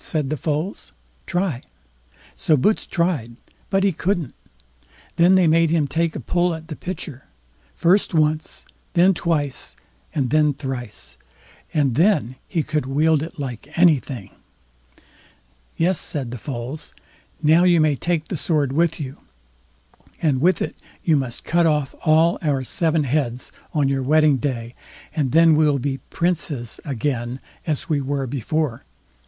said the Foals; "try." So Boots tried, but he couldn't; then they made him take a pull at the pitcher; first once, then twice, and then thrice, and then he could wield it like anything. "Yes", said the Foals, "now you may take the sword with you, and with it you must cut off all our seven heads on your wedding day, and then we'll be princes again as we were before.